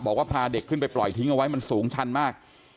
พาเด็กขึ้นไปปล่อยทิ้งเอาไว้มันสูงชันมาก